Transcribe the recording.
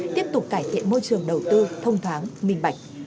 tiếp tục cải thiện môi trường đầu tư thông thoáng minh bạch